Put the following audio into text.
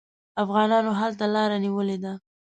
افغانانو هلته لاره نیولې ده.